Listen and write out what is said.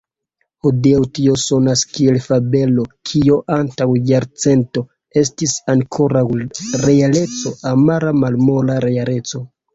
Hodiaŭ tio sonas kiel fabelo, kio antaŭ jarcento estis ankoraŭ realeco, amara malmola realeco.